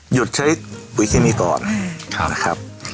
หยุดใช้ปุ๋ยเคมีก่อนนะครับ